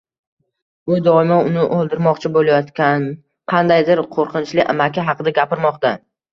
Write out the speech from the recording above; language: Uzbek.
U doimo uni o‘ldirmoqchi bo‘layotgan qandaydir qo‘rqinchli amaki haqida gapirmoqda.